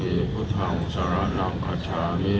ถุติยัมปีธรรมังสาระนังขัชชามี